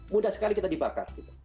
mudah sekali kita dibakar